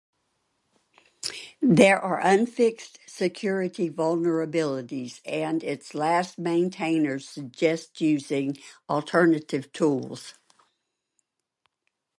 There are unfixed security vulnerabilities, and its last maintainers suggest using alternative tools.